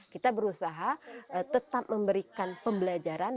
kita berusaha tetap memberikan pembelajaran